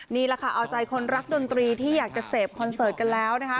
นี่แหละค่ะเอาใจคนรักดนตรีที่อยากจะเสพคอนเสิร์ตกันแล้วนะคะ